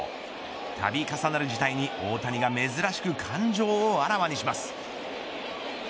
度重なる事態に大谷が珍しく感情をあらわにします。